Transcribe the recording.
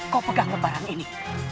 kau pegang kebarang ini